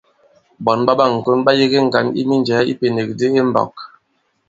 Ɓɔ̌n ɓa ɓâŋkon ɓa yege ŋgǎn i minjɛ̀ɛ i ipènèk di i mbɔ̄k.